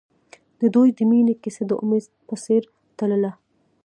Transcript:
د دوی د مینې کیسه د امید په څېر تلله.